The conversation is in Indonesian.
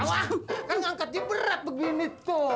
awa kan angkat diberat begini tuh